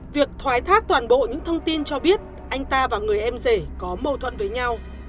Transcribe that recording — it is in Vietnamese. việc thoái thác toàn bộ những thông tin cho biết anh ta và người em rể có mâu thuẫn với nhau